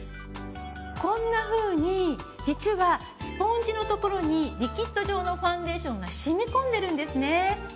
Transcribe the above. こんなふうに実はスポンジのところにリキッド状のファンデーションがしみこんでるんですね。